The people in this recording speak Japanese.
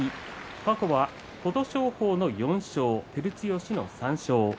過去は琴勝峰の４勝照強の３勝。